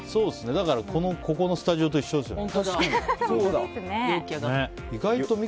だからここのスタジオと一緒ですよね。